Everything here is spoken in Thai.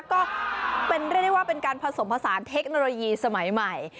ก็เป็นเรียกได้ว่าเป็นการผสมผสานเทคโนโลยีสมัยใหม่